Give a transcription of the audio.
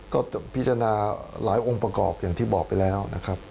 ก็พิจารณาหลายองค์ประกอบอย่างที่บอกไปแล้วนะครับ